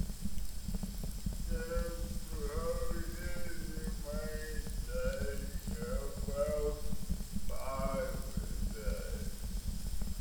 The process may take about five days.